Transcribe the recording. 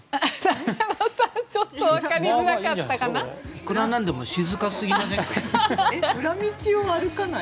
ちょっと分かりにくかったかな？